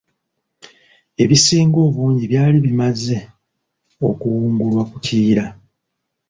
Ebisinga obungi byali bimaze okuwungulwa ku Kiyira.